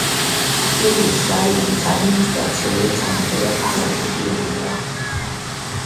კილიის რაიონის ადმინისტრაციული ცენტრია ქალაქი კილია.